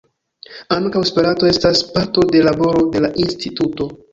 Ankaŭ Esperanto estas parto de laboro de la instituto.